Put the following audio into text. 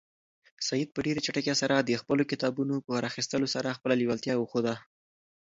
سعید په ډېرې چټکۍ د خپلو کتابونو په راخیستلو سره خپله لېوالتیا وښوده.